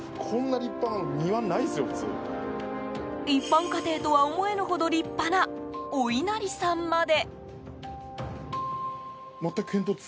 一般家庭とは思えぬほど立派なお稲荷さんまで。